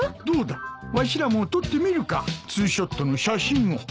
どうだわしらも撮ってみるかツーショットの写真を。